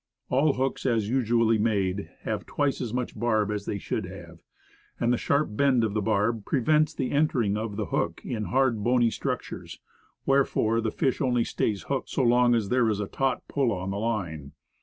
All hooks, as usually made, have twice as much barb as they should have; and the sharp bend of the barb prevents the entering of the hook in hard bony structures, wherefore the fish only stays hooked so long as there is a taut pull on the line.